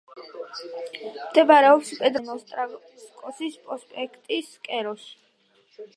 მდებარეობს პეტროგრადის რაიონში, კამენოოსტროვსკის პროსპექტის სკვერში.